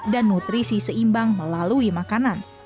dan nutrisi seimbang melalui makanan